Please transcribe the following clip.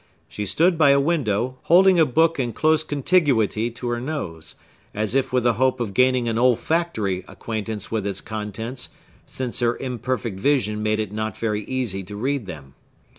She stood by a window, holding a book in close contiguity to her nose, as if with the hope of gaining an olfactory acquaintance with its contents, since her imperfect vision made it not very easy to read them.